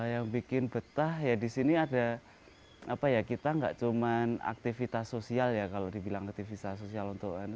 yang bikin betah ya di sini ada apa ya kita nggak cuma aktivitas sosial ya kalau dibilang aktivitas sosial untuk